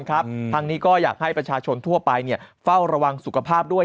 ทางนี้ก็อยากให้ประชาชนทั่วไปเฝ้าระวังสุขภาพด้วย